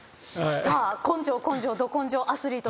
根性根性ど根性アスリート。